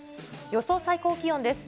予想最高気温です。